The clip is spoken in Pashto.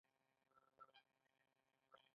د رڼا اواز د دوی زړونه ارامه او خوښ کړل.